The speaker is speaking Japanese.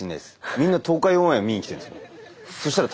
みんな東海オンエア見に来てるんですもん。